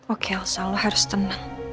oke elsa lo harus tenang